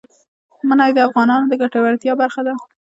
منی د افغانانو د ګټورتیا برخه ده.